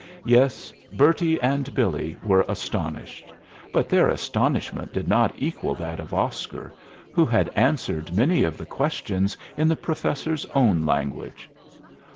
Yes, Bertie and Billy were astonished. But their astonishment did not equal that of Oscar, who had answered many of the questions in the Professor's own language.